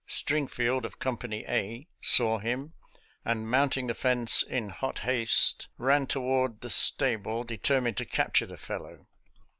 Stringfleld, of Company A, saw him, and mounting the fence in hot haste, ran toward the stable^ determined to capture the fellow.